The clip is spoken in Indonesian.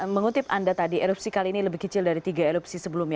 mengutip anda tadi erupsi kali ini lebih kecil dari tiga erupsi sebelumnya